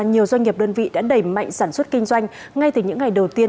nhiều doanh nghiệp đơn vị đã đẩy mạnh sản xuất kinh doanh ngay từ những ngày đầu tiên